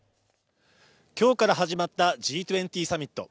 今日から始まったＧ２０サミット。